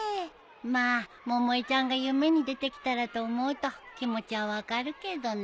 まあ百恵ちゃんが夢に出てきたらと思うと気持ちは分かるけどね。